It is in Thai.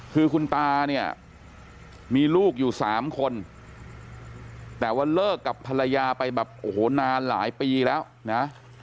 คือคุณตาเนี่ยมีลูกอยู่สามคนแต่ว่าเลิกกับภรรยาไปแบบโอ้โหนานหลายปีแล้วนะ